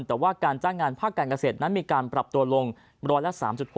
แต่ว่าการจ้างงานภาคการเกษตรนั้นมีการปรับตัวลงร้อยละ๓๖